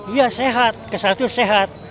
iya sehat kesatu sehat